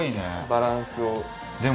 バランスを。